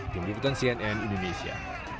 pemiriputan cnn indonesia